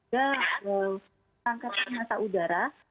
dan tangkatnya masa udara